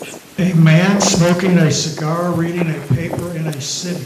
A man smoking a cigar reading a paper in a city